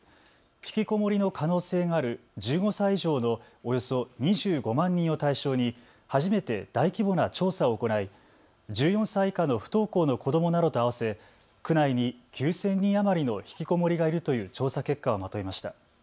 ひきこもりの可能性がある１５歳以上のおよそ２５万人を対象に初めて大規模な調査を行い１４歳以下の不登校の子どもなどと合わせ区内に９０００人余りのひきこもりがいるという調査結果をまとめました。